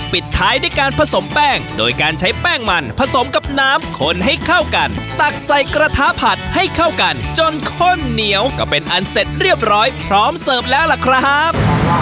ปิดท้ายด้วยการผสมแป้งโดยการใช้แป้งมันผสมกับน้ำคนให้เข้ากันตักใส่กระทะผัดให้เข้ากันจนข้นเหนียวก็เป็นอันเสร็จเรียบร้อยพร้อมเสิร์ฟแล้วล่ะครับ